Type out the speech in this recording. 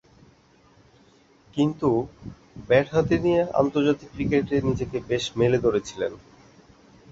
কিন্তু, ব্যাট হাতে নিয়ে আন্তর্জাতিক ক্রিকেটে নিজেকে বেশ মেলে ধরেছিলেন।